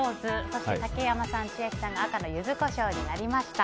そして竹山さん、千秋さんが赤のユズコショウになりました。